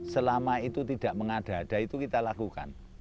selama itu tidak mengada ada itu kita lakukan